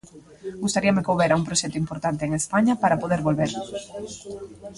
Gustaríame que houbera un proxecto importante en España para poder volver.